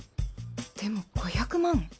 でも５００万！？